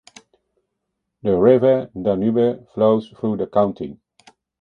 The River Danube flows through the county.